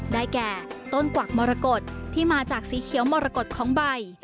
ได้แก่ต้นกวักมรกฏที่มาจากสีเขียวมรกฏของใบ